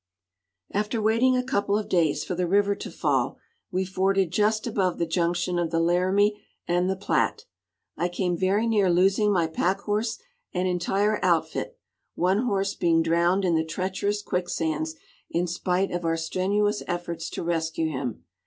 After waiting a couple of days for the river to fall, we forded just above the junction of the Laramie and the Platte. I came very near losing my packhorse and entire outfit, one horse being drowned in the treacherous quicksands in spite of our strenuous efforts to rescue him.